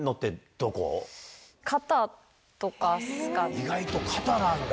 意外と肩なんだ。